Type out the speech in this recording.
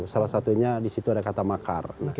salah satunya disitu ada kata makar